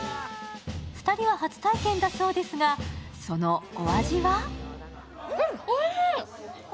２人は初体験だそうですが、そのお味は？